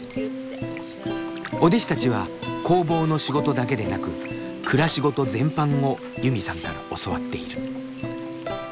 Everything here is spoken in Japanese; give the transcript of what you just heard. お弟子たちは工房の仕事だけでなく暮らしごと全般をユミさんから教わっている。